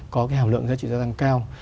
có cái hàm lượng giá trị gia tăng cao